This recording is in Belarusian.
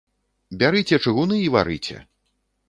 Бярыце чыгуны і варыце.